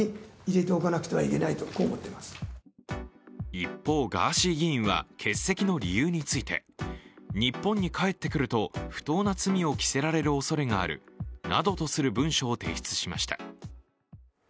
一方、ガーシー議員は欠席の理由について、日本に帰ってくると不当な罪を着せられるおそれがあるなどとする文書を提出しました。